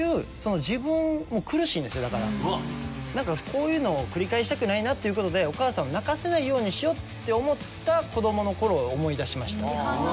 こういうのを繰り返したくないなっていうことでお母さん泣かせないようにしようって思った子供のころを思い出しました。